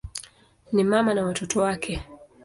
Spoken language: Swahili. Ni mama na watoto wake.